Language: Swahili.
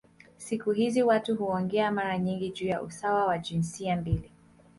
Siku hizi watu huongea mara nyingi juu ya usawa wa jinsia mbili.